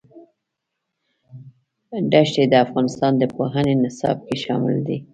دښتې د افغانستان د پوهنې نصاب کې شامل دي.